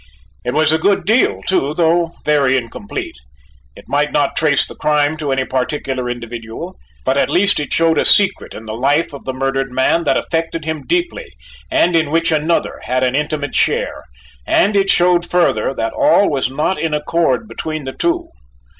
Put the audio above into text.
It was a good deal, too, though very incomplete. It might not trace the crime to any particular individual, but at least it showed a secret in the life of the murdered man that affected him deeply and in which another had an intimate share, and it showed, further, that all was not in accord between the two.